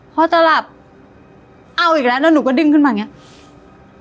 พอจะหลับเอาอีกแล้วแล้วหนูก็ดึงขึ้นมาอย่างนี้